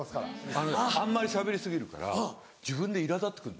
あのねあんまりしゃべり過ぎるから自分でいら立って来る。